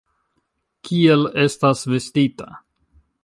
Kiel estas vestita.